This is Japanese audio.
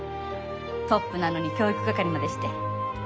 トップなのに教育係までして。